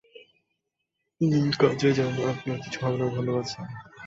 নিজের কাজে যান আপনার কিছু হবে না ধন্যবাদ স্যার।